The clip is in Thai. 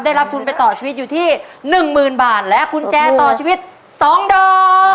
ได้รับทุนไปต่อชีวิตอยู่ที่๑๐๐๐บาทและกุญแจต่อชีวิต๒ดอก